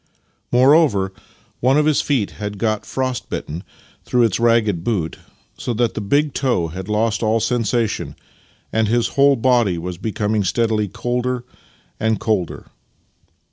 More over, one of his feet had got frost bitten through its ragged boot, so that the big toe had lost all sensation and his whole body \vas becoming steadily colder and colder.